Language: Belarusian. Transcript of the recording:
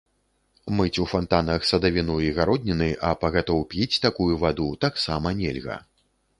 Мыць у фантанах садавіну і гародніны, а пагатоў піць такую ваду таксама нельга.